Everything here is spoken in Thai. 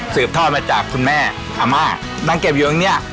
ทอดมาจากคุณแม่อาม่านั่งเก็บอยู่ตรงเนี้ย